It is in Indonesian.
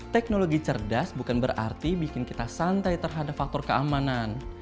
teknologi cerdas bukan berarti bikin kita santai terhadap faktor keamanan